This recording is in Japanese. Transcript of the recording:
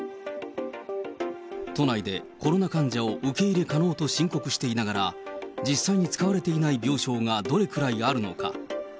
都内でコロナ患者を受け入れ可能と申告していながら、実際に使われていない病床がどれくらいあるのか。